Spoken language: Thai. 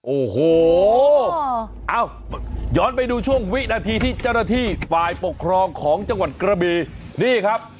โอ้โหเอาย้อนไปดูช่วงวินาทีที่เจ้าหน้าที่ฝ่ายปกครองของจังหวัดกระบีนี่ครับ